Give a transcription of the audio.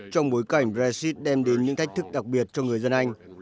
trong bối cảnh brexit đem đến những thách thức đặc biệt cho người dân anh